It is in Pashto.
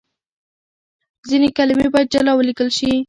ځينې کلمې بايد جلا وليکل شي.